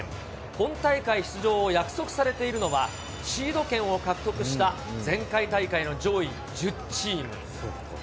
本大会出場を約束されているのは、シード権を獲得した前回大会の上位１０チーム。